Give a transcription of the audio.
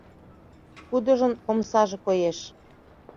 Кудыжын омсаже коеш.